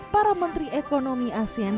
para menteri ekonomi asean